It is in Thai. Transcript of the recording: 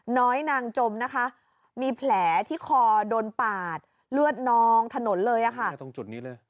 นางจมนะคะมีแผลที่คอโดนปาดเลือดนองถนนเลยอ่ะค่ะตรงจุดนี้เลย